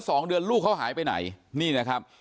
สองเดือนลูกเขาหายไปไหนนี่นะครับ